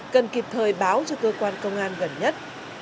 cần kịp thời báo cho cơ quan công an gần nhất